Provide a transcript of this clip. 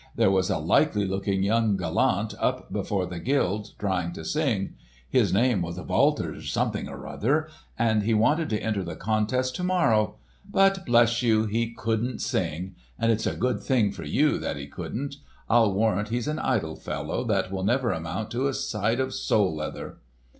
"There was a likely looking young gallant up before the guild trying to sing. His name was Walter something or other, and he wanted to enter the contest to morrow. But bless you! he couldn't sing—and it's a good thing for you that he couldn't. I'll warrant he's an idle fellow that will never amount to a side of sole leather!"